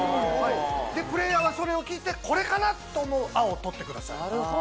プレーヤーはそれを聞いてこれかなと思う「あ」を取ってください。